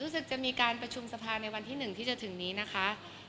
จะมีการประชุมสภาในวันที่๑ที่จะถึงนี้นะคะ